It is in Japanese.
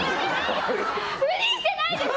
不倫してないです！